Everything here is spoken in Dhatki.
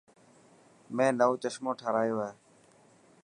مين نوو چشمو ٺارايو هي.